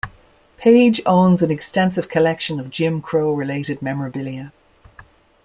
Page owns an extensive collection of Jim Crow-related memorabilia.